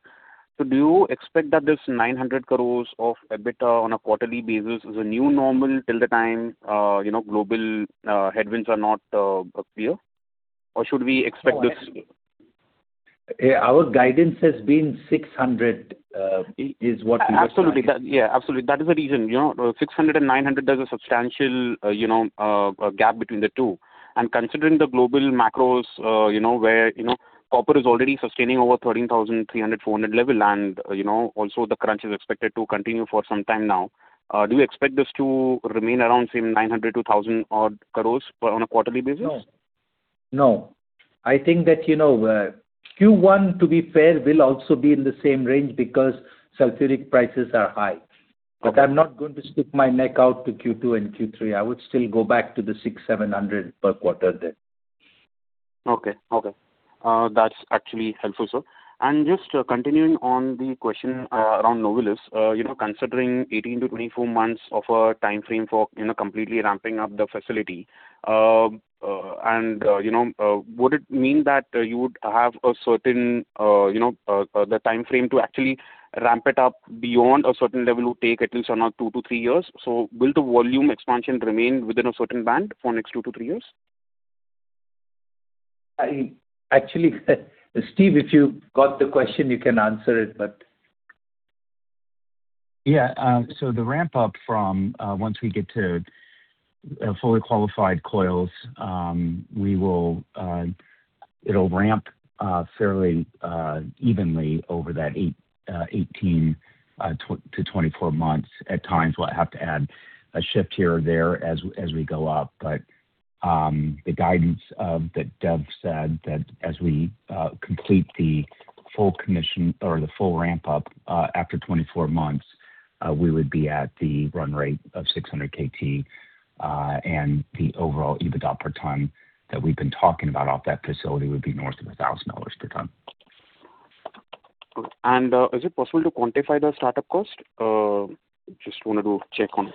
Do you expect that this 900 crores of EBITDA on a quarterly basis is a new normal till the time global headwinds are not clear? Our guidance has been 600 crores, is what we are targeting. Absolutely. Yeah, absolutely. That is the reason. 600 crore and 900 crore, there's a substantial gap between the two. And considering the global macros, where copper is already sustaining over $13,300-$13,400 level, and also the crunch is expected to continue for some time now, do you expect this to remain around same 900 crore-1,000 crore odd per on a quarterly basis? No. I think that Q1, to be fair, will also be in the same range because sulfuric prices are high. Okay. I'm not going to stick my neck out to Q2 and Q3. I would still go back to the 600-700 per quarter there. Okay. That's actually helpful, sir. Just continuing on the question around Novelis. Considering 18-24 months of a timeframe for completely ramping up the facility, would it mean that you would have a certain timeframe to actually ramp it up beyond a certain level would take at least another two to three years? Will the volume expansion remain within a certain band for next two to three years? Actually, Steve, if you got the question, you can answer it. Yeah. The ramp-up from once we get to fully qualified coils, it'll ramp fairly evenly over that 18-24 months. At times, we'll have to add a shift here or there as we go up. The guidance that Dev said, that as we complete the full commission or the full ramp-up, after 24 months, we would be at the run rate of 600 KT. The overall EBITDA per ton that we've been talking about off that facility would be north of $1,000 per ton. Good. Is it possible to quantify the startup cost? Just wanted to check on it.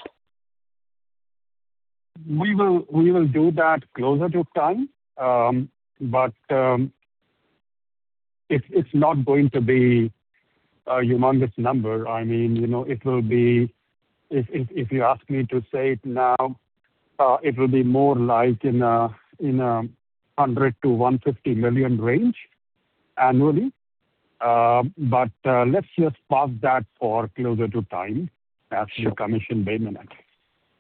We will do that closer to time. It's not going to be a humongous number. If you ask me to say it now, it will be more like in 100 million-150 million range annually. Let's just park that for closer to time.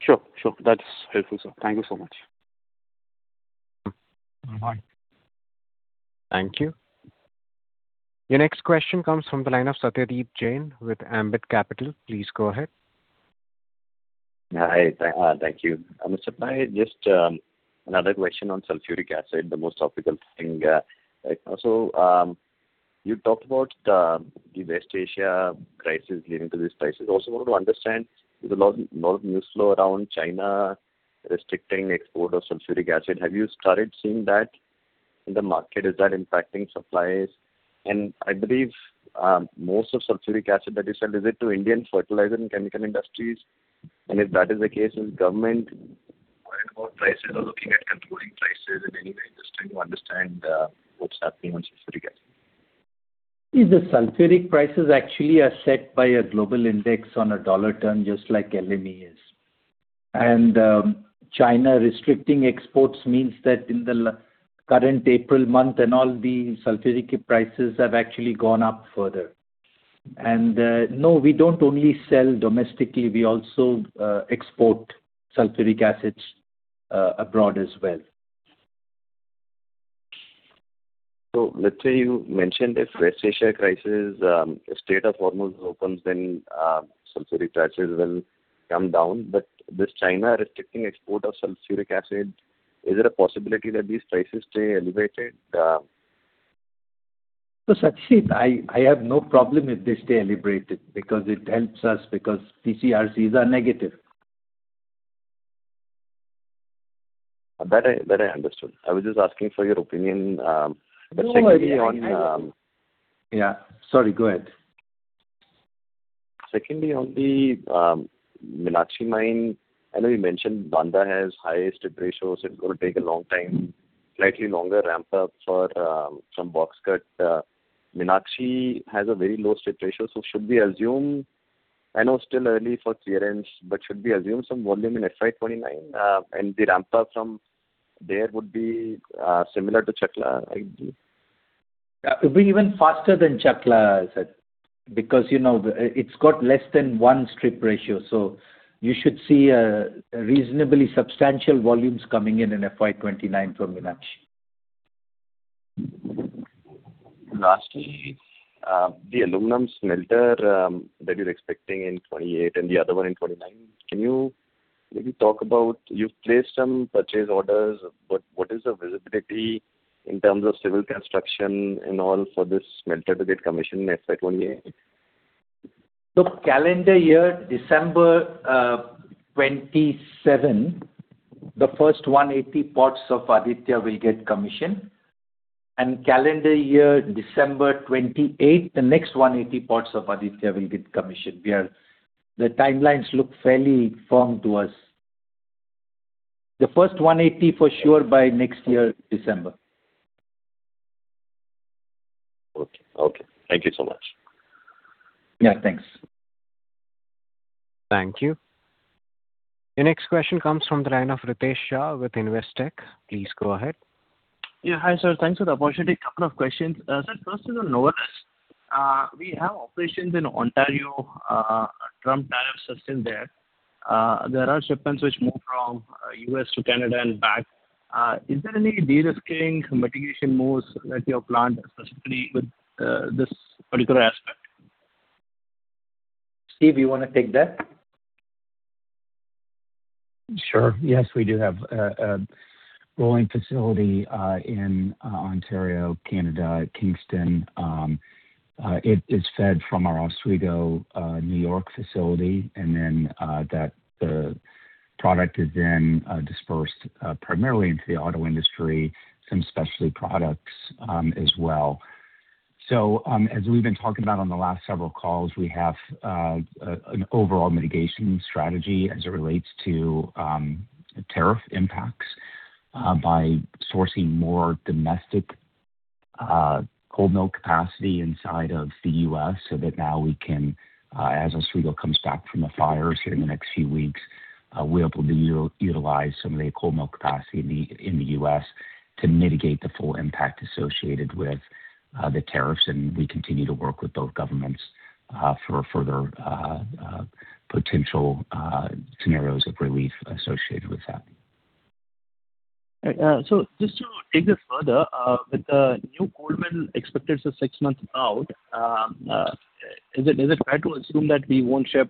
Sure. After we commission Bay Minette. Sure. That's helpful, sir. Thank you so much. No problem. Thank you. Your next question comes from the line of Satyadeep Jain with Ambit Capital. Please go ahead. Hi. Thank you. Mr. Pai, just another question on sulfuric acid, the most topical thing right now. You talked about the West Asia crisis leading to this crisis. Also wanted to understand, there's a lot of news flow around China restricting export of sulfuric acid. Have you started seeing that in the market, is that impacting supplies? I believe most of sulfuric acid that you sell, is it to Indian fertilizer and chemical industries? If that is the case, is government worried about prices or looking at controlling prices in any way? Just trying to understand what's happening on sulfuric acid. The sulfuric prices actually are set by a global index on a dollar term, just like LME is. China restricting exports means that in the current April month and all, the sulfuric prices have actually gone up further. No, we don't only sell domestically, we also export sulfuric acids abroad as well. You mentioned if West Asia crisis, if Strait of Hormuz opens, then sulfuric prices will come down. This China restricting export of sulfuric acid, is there a possibility that these prices stay elevated? Satyadeep, I have no problem if they stay elevated because it helps us because TC/RCs are negative. That I understood. I was just asking for your opinion. No, I mean Yeah, sorry. Go ahead. Secondly, on the Meenakshi mine, I know you mentioned Bandha has high strip ratios. It's going to take a long time, slightly longer ramp-up from box cut. Meenakshi has a very low strip ratio, so should we assume I know still early for clearance, but should we assume some volume in FY 2029, and the ramp-up from there would be similar to Chakla, likely? It'll be even faster than Chakla, Satyadeep, because it's got less than 1 strip ratio. You should see reasonably substantial volumes coming in in FY 2029 from Meenakshi. Lastly, the aluminum smelter that you're expecting in 2028 and the other one in 2029, can you maybe talk about, you've placed some purchase orders, but what is the visibility in terms of civil construction and all for this smelter to get commissioned in FY 2028? Calendar year December 2027, the first 180 pots of Aditya will get commission. Calendar year December 2028, the next 180 pots of Aditya will get commission. The timelines look fairly firm to us. The first 180 for sure by next year, December. Okay. Thank you so much. Yeah, thanks. Thank you. Your next question comes from the line of Ritesh Shah with Investec. Please go ahead. Yeah. Hi, sir. Thanks for the opportunity. Couple of questions. Sir, first is on Novelis. We have operations in Ontario. Trump tariffs are still there. There are shipments which move from U.S. to Canada and back. Is there any de-risking mitigation moves at your plant, specifically with this particular aspect? Steve, you want to take that? Sure. Yes, we do have a rolling facility in Ontario, Canada, Kingston. It is fed from our Oswego, New York Facility, and then the product is then dispersed primarily into the auto industry, some specialty products as well. As we've been talking about on the last several calls, we have an overall mitigation strategy as it relates to tariff impacts by sourcing more domestic cold mill capacity inside of the U.S., so that now we can, as Oswego comes back from the fires here in the next few weeks, we're able to utilize some of the cold mill capacity in the U.S. to mitigate the full impact associated with the tariffs. We continue to work with both governments for further potential scenarios of relief associated with that. Right. Just to take this further, with the new cold mill expected six months out, is it fair to assume that we won't ship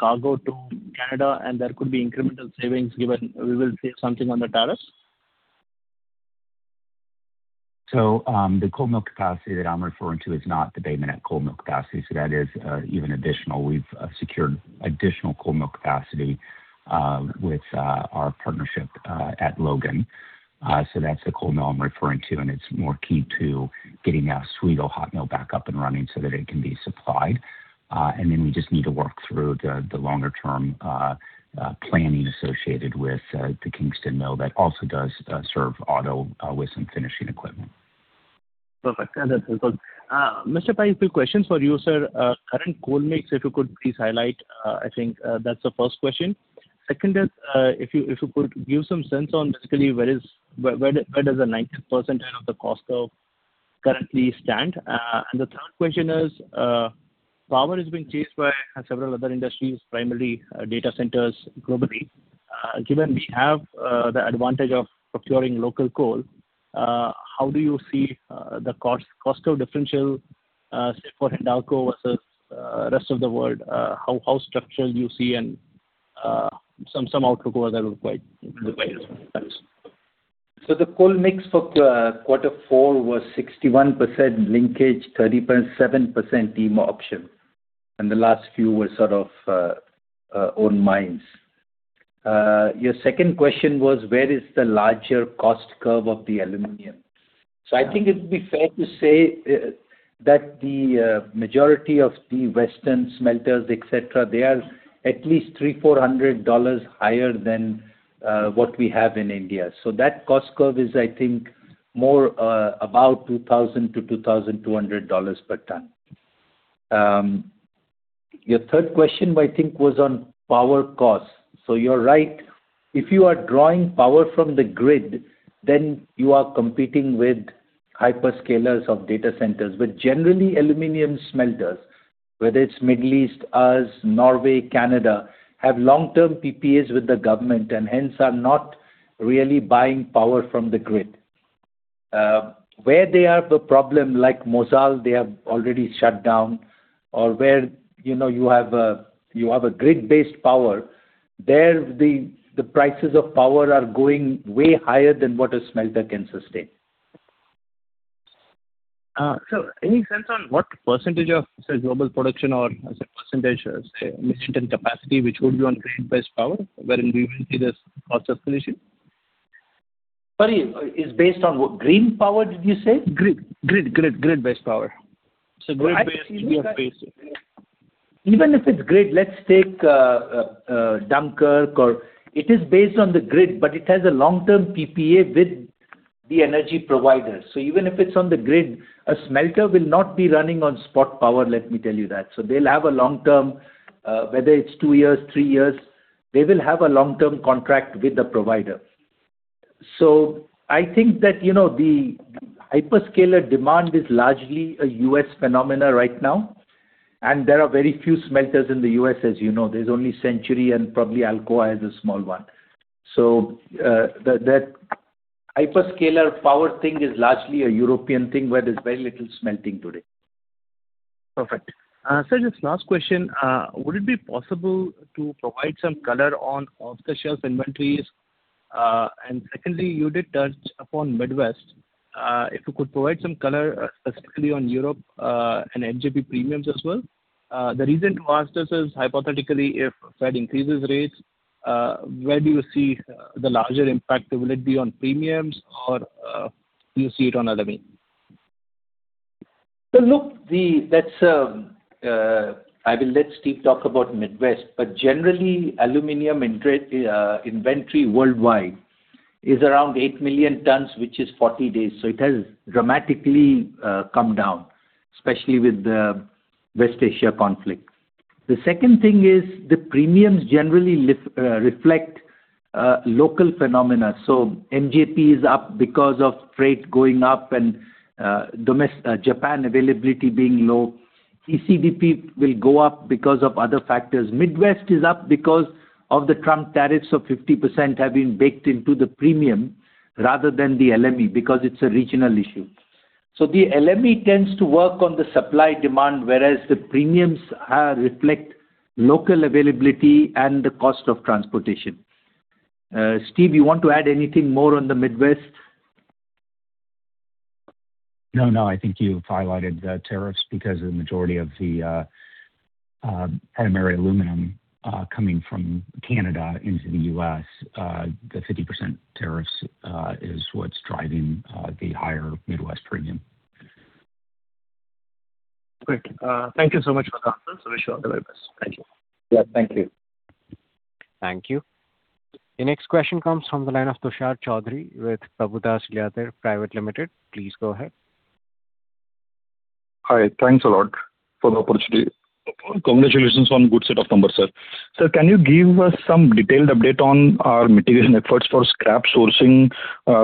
cargo to Canada and there could be incremental savings given we will save something on the tariffs? The cold mill capacity that I'm referring to is not the Bay Minette cold mill capacity. That is even additional. We've secured additional cold mill capacity with our partnership at Logan. That's the cold mill I'm referring to, and it's more key to getting Oswego Hot Mill back up and running so that it can be supplied. Then we just need to work through the longer-term planning associated with the Kingston mill that also does serve auto with some finishing equipment. Perfect. That's helpful. Mr. Pai, few questions for you, sir. Current coal mix, if you could please highlight. I think that's the first question. Second is, if you could give some sense on basically where does the 90 percentile of the cost currently stand. The third question is, power is being chased by several other industries, primarily data centers globally. Given we have the advantage of procuring local coal, how do you see the cost differential, say, for Hindalco versus rest of the world? How structural do you see and some outlook over there would be quite useful. Thanks. The coal mix for Q4 was 61% linkage, 37% e-auction, and the last few were sort of own mines. Your second question was, where is the larger cost curve of the aluminum? I think it'd be fair to say that the majority of the Western smelters, et cetera, they are at least $300, $400 higher than what we have in India. That cost curve is, I think, more about $2,000-$2,200 per ton. Your third question, I think, was on power costs. You're right. If you are drawing power from the grid, you are competing with hyperscalers of data centers. Generally, aluminum smelters, whether it's Middle East, us, Norway, Canada, have long-term PPAs with the government, and hence are not really buying power from the grid. Where they have a problem, like Mozal, they have already shut down, or where you have a grid-based power, there, the prices of power are going way higher than what a smelter can sustain. Sir, any sense on what percentage of, say, global production, or as a percentage of, say, million ton capacity, which would be on grid-based power wherein we will see this cost escalation? Sorry, it's based on what? Green power, did you say? Grid-based power. It's a grid-based. Even if it's grid, let's take Dunkirk, or it is based on the grid, but it has a long-term PPA with the energy provider. Even if it's on the grid, a smelter will not be running on spot power, let me tell you that. They'll have a long term, whether it's two years, three years, they will have a long-term contract with the provider. I think that the hyperscaler demand is largely a U.S. phenomena right now, and there are very few smelters in the U.S., as you know. There's only Century and probably Alcoa has a small one. That hyperscaler power thing is largely a European thing where there's very little smelting today. Perfect. Sir, just last question. Would it be possible to provide some color on off-the-shelf inventories? Secondly, you did touch upon Midwest. If you could provide some color specifically on Europe, and MJP premiums as well. The reason to ask this is hypothetically, if Fed increases rates, where do you see the larger impact? Will it be on premiums or do you see it on LME? Look, I will let Steve talk about Midwest, but generally, aluminum inventory worldwide is around 8 million tons, which is 40 days. It has dramatically come down, especially with the West Asia conflict. The second thing is the premiums generally reflect local phenomena. MJP is up because of freight going up and Japan availability being low. ECDP will go up because of other factors. Midwest is up because of the Trump tariffs of 50% have been baked into the premium rather than the LME, because it's a regional issue. The LME tends to work on the supply-demand, whereas the premiums reflect local availability and the cost of transportation. Steve, you want to add anything more on the Midwest? No. I think you've highlighted the tariffs because of the majority of the primary aluminum coming from Canada into the U.S. The 50% tariffs is what's driving the higher Midwest premium. Great. Thank you so much for the conference. I wish you all the very best. Thank you. Yeah, thank you. Thank you. The next question comes from the line of Tushar Chaudhari with Prabhudas Lilladher Private Limited. Please go ahead. Hi, thanks a lot for the opportunity. Congratulations on good set of numbers, sir. Sir, can you give us some detailed update on our material networks for scrap sourcing,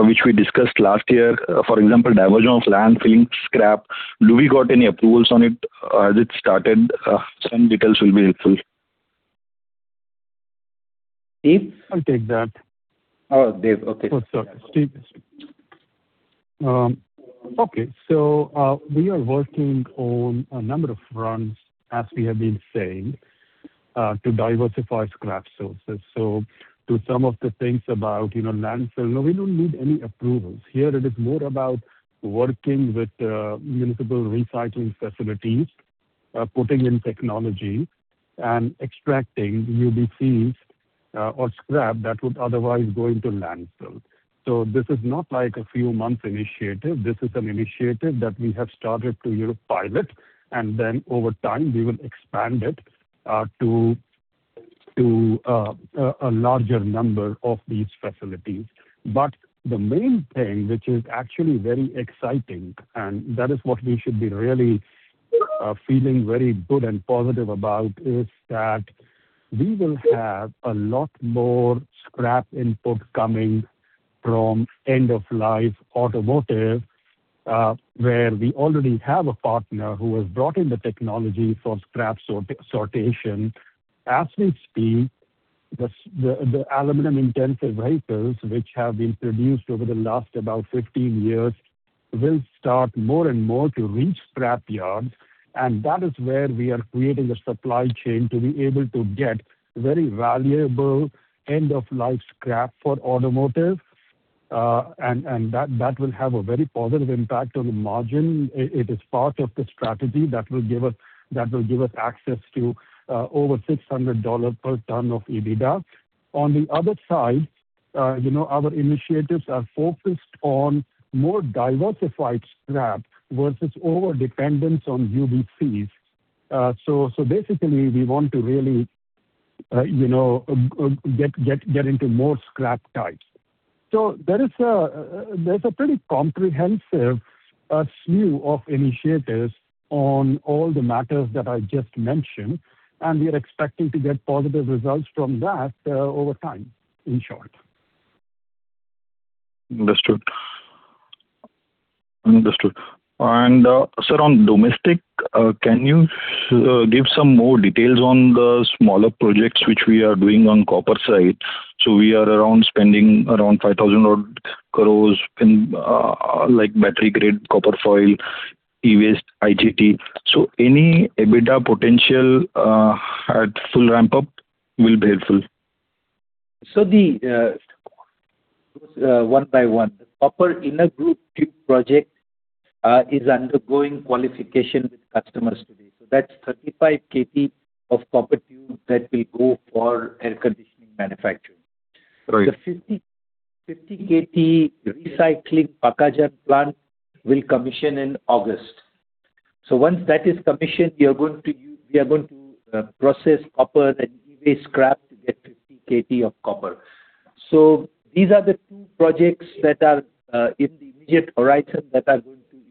which we discussed last year? For example, diversion of land filling scrap. Do we got any approvals on it? Has it started? Some details will be helpful. Steve? I'll take that. Oh, Dev, okay. Oh, sorry, Steve. Okay. We are working on a number of fronts, as we have been saying, to diversify scrap sources. To some of the things about landfill, no, we don't need any approvals. Here it is more about working with municipal recycling facilities, putting in technology and extracting UBCs or scrap that would otherwise go into landfill. This is not like a few month initiative. This is an initiative that we have started to pilot, over time, we will expand it to a larger number of these facilities. The main thing, which is actually very exciting, and that is what we should be really feeling very good and positive about, is that we will have a lot more scrap input coming from end-of-life automotive, where we already have a partner who has brought in the technology for scrap sortation. As we speak, the aluminum intensive vehicles which have been produced over the last about 15 years, will start more and more to reach scrap yards, and that is where we are creating a supply chain to be able to get very valuable end-of-life scrap for automotive. That will have a very positive impact on the margin. It is part of the strategy that will give us access to over $600 per ton of EBITDA. On the other side, our initiatives are focused on more diversified scrap versus overdependence on UBCs. Basically, we want to really get into more scrap types. There's a pretty comprehensive slew of initiatives on all the matters that I just mentioned, and we are expecting to get positive results from that over time, in short. Understood. Sir, on domestic, can you give some more details on the smaller projects which we are doing on copper side? We are around spending around 5,000 odd crores in battery-grade copper foil, e-waste, IGT. Any EBITDA potential at full ramp-up will be helpful. One by one. The copper inner group tube project is undergoing qualification with customers today. That's 35 KT of copper tube that will go for air conditioning manufacturing. Right. The 50 KT recycling Pakhajan plant will commission in August. Once that is commissioned, we are going to process copper, then e-waste scrap to get 50 KT of copper.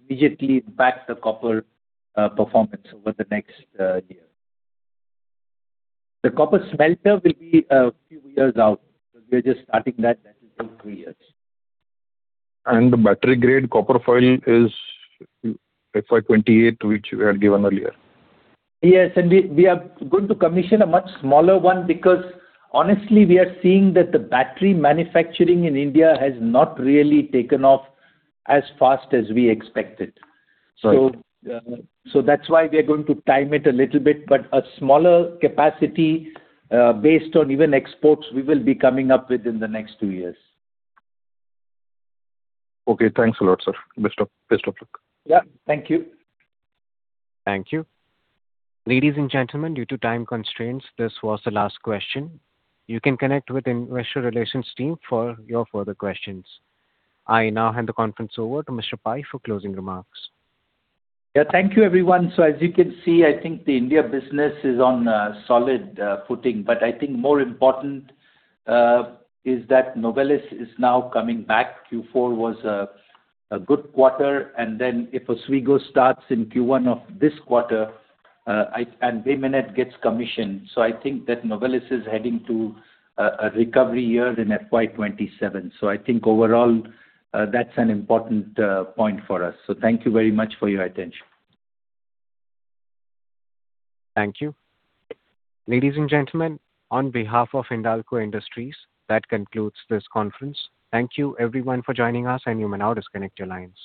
The copper smelter will be a few years out. We're just starting that will take two years. The battery-grade copper foil is FY 2028, which we had given earlier. Yes, we are going to commission a much smaller one because honestly, we are seeing that the battery manufacturing in India has not really taken off as fast as we expected. Right. That's why we are going to time it a little bit, but a smaller capacity, based on even exports, we will be coming up with in the next two years. Okay, thanks a lot, sir. Best of luck. Yeah, thank you. Thank you. Ladies and gentlemen, due to time constraints, this was the last question. You can connect with investor relations team for your further questions. I now hand the conference over to Mr. Pai for closing remarks. Yeah, thank you, everyone. As you can see, I think the India business is on solid footing. I think more important is that Novelis is now coming back. Q4 was a good quarter, if Oswego starts in Q1 of this quarter, Bay Minette gets commissioned. I think that Novelis is heading to a recovery year in FY 2027. I think overall, that's an important point for us. Thank you very much for your attention. Thank you. Ladies and gentlemen, on behalf of Hindalco Industries, that concludes this conference. Thank you everyone for joining us, and you may now disconnect your lines.